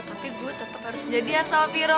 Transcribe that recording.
tapi gue tetap harus jadian sama viro